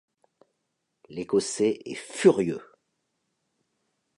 L'Écossais est furieux.